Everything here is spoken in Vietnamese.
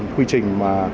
quy trình mà